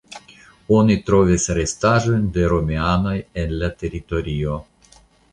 Oni trovis restaĵojn de romianoj en la teritorio.